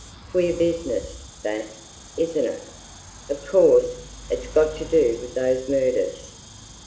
"Queer business that, isn't it? Of course, it's got to do with those murders!"